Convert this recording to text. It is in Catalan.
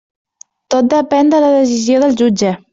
Tot depèn de la decisió del jutge.